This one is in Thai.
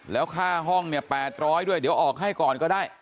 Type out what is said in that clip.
แล้วค่าห้องเนี่ย๘๐๐ด้วยเดี๋ยวออกให้ก่อนก็ได้